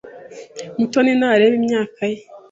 Mutoni ntareba imyaka ye.